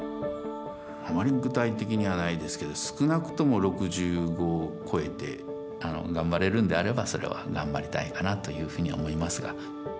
あまり具体的にはないですけど少なくとも６５を超えて頑張れるんであればそれは頑張りたいかなというふうには思いますが。